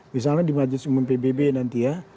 misalnya di majelis umum pbb nanti ya